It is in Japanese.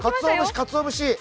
かつお節。